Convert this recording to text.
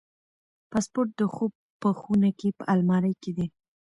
پاسپورت د خوب په خونه کې په المارۍ کې دی.